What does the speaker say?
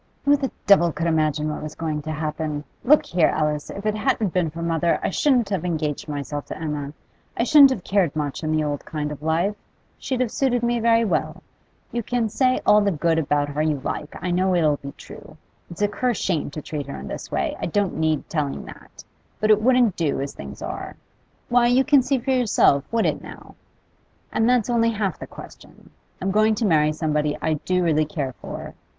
'Who the devil could imagine what was going to happen? Look here, Alice; if it hadn't been for mother, I shouldn't have engaged myself to Emma. I shouldn't have cared much in the old kind of life; she'd have suited me very well. You can say all the good about her you like, I know it'll be true. It's a cursed shame to treat her in this way, I don't need telling that. But it wouldn't do as things are; why, you can see for yourself would it now? And that's only half the question: I'm going to marry somebody I do really care for.